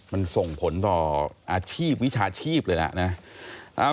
มันส่งผลต่ออาชีพวิชาชีพเลยนะ